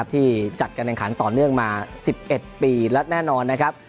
ที่จัดการแข่งขันต่อเนื่องมา๑๑ปีและแน่นอนนะครับ